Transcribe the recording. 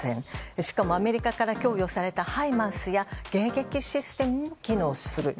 しかも、アメリカから供与されたハイマースや迎撃システムも機能すると。